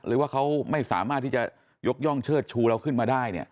หรือว่าเขาไม่สามารถที่จะยกย่องเชิดชูเราขึ้นมาได้เนี่ย